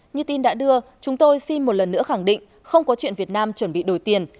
như tin đã đưa chúng tôi xin một lần nữa khẳng định không có chuyện việt nam chuẩn bị đổi tiền